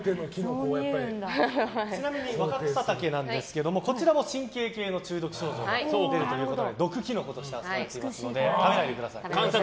ちなみにワカクサタケはこちらも神経系の中毒症状が出るということで毒キノコとして扱われていますので食べないでください。